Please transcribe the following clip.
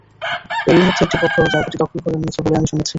এরই মধ্যে একটি পক্ষ জায়গাটি দখল করে নিয়েছে বলে আমি শুনেছি।